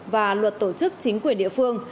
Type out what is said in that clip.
và luật tổ chức chính quyền địa phương